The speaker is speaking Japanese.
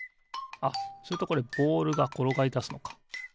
あっするとこれボールがころがりだすのか。